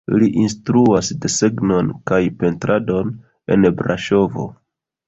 Li instruas desegnon kaj pentradon en Braŝovo.